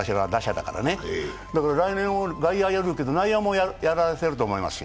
だから来年、外野やるけど、内野もやらせると思いますよ。